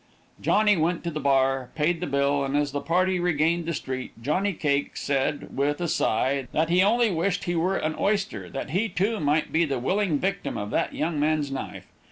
Johnny went to the bar, paid the bill, and, as the party regained the street, Johnny Cake said, with a sigh, that he only wished he were an oyster, that he, too, might be the willing victim of that young man's knife.